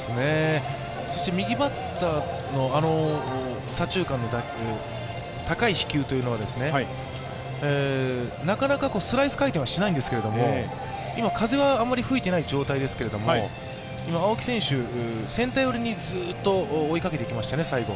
右バッターの左中間の打球、高い飛球というのはなかなかスライス回転はしないんですけど今、風はあまり吹いていない状態ですけれども、青木選手、センター寄りにずっと追いかけていきましたよね、最後。